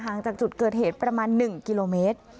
จากจุดเกิดเหตุประมาณ๑กิโลเมตร